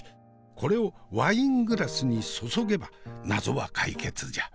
これをワイングラスに注げば謎は解決じゃ。